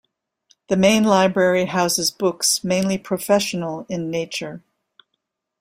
The Main Library houses books, mainly professional in nature.